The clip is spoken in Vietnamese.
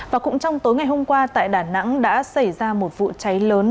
và cũng trong tối ngày hôm qua tại đà nẵng đã xảy ra một vụ cháy lớn